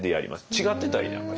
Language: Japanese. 違ってたりなんかしたり。